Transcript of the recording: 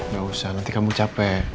gak usah nanti kamu capek